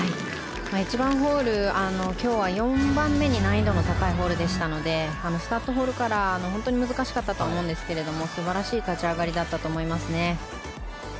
１番ホール今日は４番目に難易度が高いホールでしたのでスタートホールから本当に難しかったと思うんですが素晴らしい立ち上がりだったと思います。